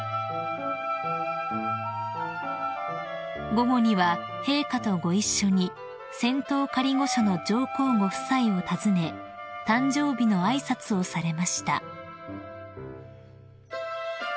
［午後には陛下とご一緒に仙洞仮御所の上皇ご夫妻を訪ね誕生日の挨拶をされました］